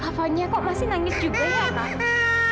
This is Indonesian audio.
kak fahnya kok masih nangis juga ya temen